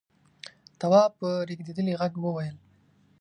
تواب په رېږدېدلي غږ وويل: